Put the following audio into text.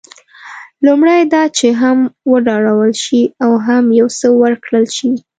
لومړی دا چې هم وډارول شي او هم یو څه ورکړل شي.